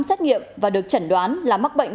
xét nghiệm và được chẩn đoán là mắc bệnh